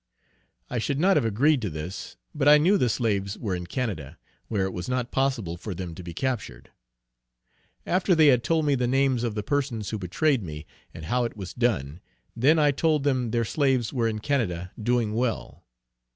I should not have agreed to this, but I knew the slaves were in Canada, where it was not possible for them to be captured. After they had told me the names of the persons who betrayed me, and how it was done, then I told them their slaves were in Canada, doing well.